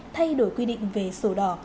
thay đổi quy định về sổ đỏ